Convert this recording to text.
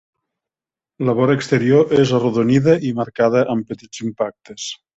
La vora exterior és arrodonida i marcada amb petits impactes.